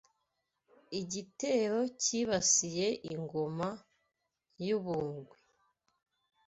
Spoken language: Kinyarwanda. Igitero cyibasiye Ingoma y’u Bungwe